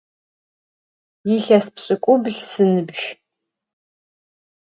Yilhes pş'ık'ubl sınıbj.